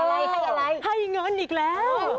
อะไรให้เงินอีกแล้ว